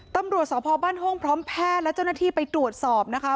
ตำรวจสพบ้านห้องพร้อมแพทย์และเจ้าหน้าที่ไปตรวจสอบนะคะ